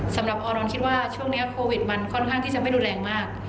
สำหรับออนอนคิดว่าช่วงนี้โควิดมันค่อนข้างที่จะไม่รุนแรงมาก